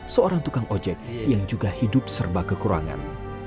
seorang tukang ojek yang juga hidup serba kekurangan